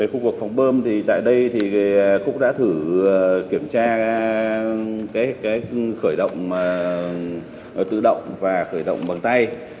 khu vực phòng bơm tại đây cũng đã thử kiểm tra khởi động tự động và khởi động bằng tay